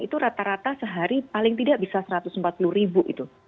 itu rata rata sehari paling tidak bisa satu ratus empat puluh ribu itu